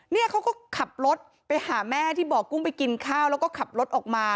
เนี่ยเขาก็ขับรถไปหาแม่ที่บ่อกุ้งไปกินข้าวแล้วก็ขับรถออกมา